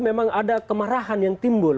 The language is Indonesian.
memang ada kemarahan yang timbul